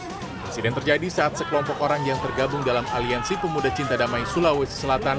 presiden terjadi saat sekelompok orang yang tergabung dalam aliansi pemuda cinta damai sulawesi selatan